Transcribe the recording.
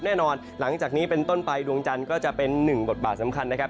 หลังจากนี้เป็นต้นไปดวงจันทร์ก็จะเป็นหนึ่งบทบาทสำคัญนะครับ